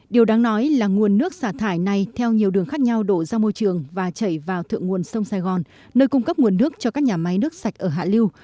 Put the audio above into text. điều đáng nói là nguồn nước xả thải này theo nhiều đường khác nhau đổ ra môi trường và chảy vào thượng nguồn sông sài gòn nơi cung cấp nguồn nước cho các nhà máy nước sạch ở hạ liêu